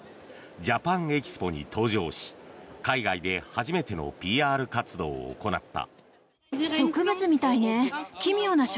ＪＡＰＡＮＥＸＰＯに登場し海外で初めてのＰＲ活動を行った。